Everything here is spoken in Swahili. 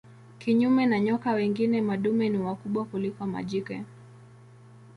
Kinyume na nyoka wengine madume ni wakubwa kuliko majike.